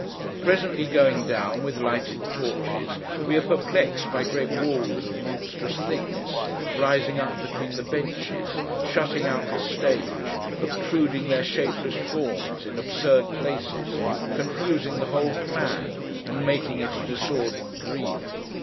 Presently going down, with lighted torches, we are perplexed by great walls of monstrous thickness, rising up between the benches, shutting out the stage, obtruding their shapeless forms in absurd places, confusing the whole plan, and making it a disordered dream.